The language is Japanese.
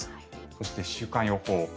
そして、週間予報。